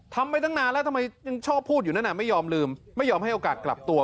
ไปตั้งนานแล้วทำไมยังชอบพูดอยู่นั่นไม่ยอมลืมไม่ยอมให้โอกาสกลับตัว